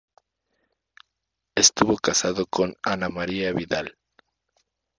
Estuvo casado con Ana María Vidal.